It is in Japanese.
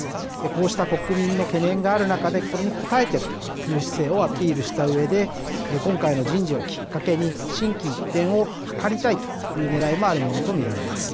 こうした国民の懸念がある中で、これに応えてるという姿勢をアピールしたうえで、今回の人事をきっかけに、心機一転を図りたいというねらいもあるものと見られま